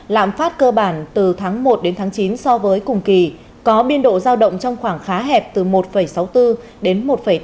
lạm phát cơ bản từ tháng một đến tháng chín so với cùng kỳ có biên độ giao động trong khoảng khá hẹp từ một sáu mươi bốn đến một tám